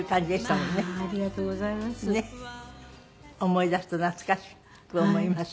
思い出すと懐かしく思います。